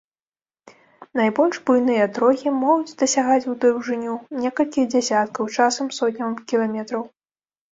Найбольш буйныя трогі могуць дасягаць у даўжыню некалькіх дзесяткаў, часам сотняў кіламетраў.